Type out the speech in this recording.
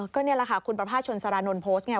ก็นี่แหละค่ะคุณประพาทชนสารานนท์โพสต์ไง